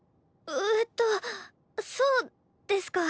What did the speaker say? えっとそうですか？